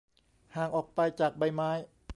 ห่างออกไปจากใบไม้